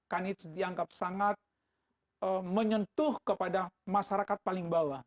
kanits dianggap sangat menyentuh kepada masyarakat paling bawah